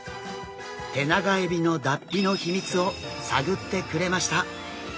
テナガエビの脱皮の秘密を探ってくれました。